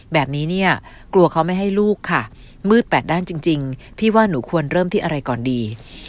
แบบนี้เนี่ยกลัวเขาไม่ให้ลูกค่ะมืดแปดด้านจริงพี่ว่าหนูควรเริ่มที่อะไรก่อนดี